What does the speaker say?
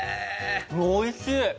おいしい！